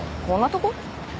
こんなとこ？